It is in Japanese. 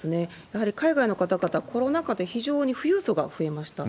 やはり海外の方々、コロナ禍で非常に富裕層が増えました。